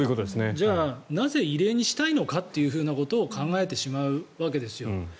じゃあ、なぜ異例にしたいのかということを考えてしまうわけですよ。